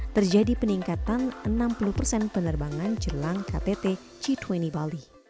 terjadi peningkatan enam puluh persen penerbangan jelang ktt g dua puluh bali